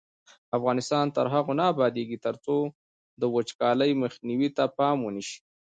افغانستان تر هغو نه ابادیږي، ترڅو د وچکالۍ مخنیوي ته پام ونشي.